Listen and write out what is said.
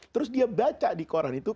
terus dia baca di koran itu